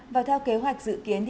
và theo kế hoạch dự kiến